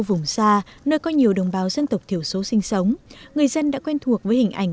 vùng xa nơi có nhiều đồng bào dân tộc thiểu số sinh sống người dân đã quen thuộc với hình ảnh